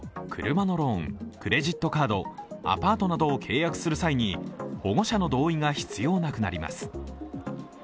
他にも車のローン、クレジットカード、アパートなどを契約する際に保護者の同意が必要なくなります。